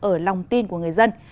ở lòng tin của người dân